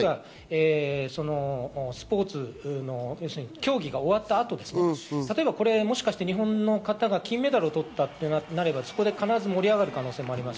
例えば移動や競技が終わった後、もしかして日本の方が金メダルを獲ったとなれば、そこで必ず盛り上がる可能性があります。